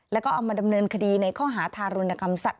แล้วก็เอามาดำเนินคดีในข้อหาทารุณกรรมสัตว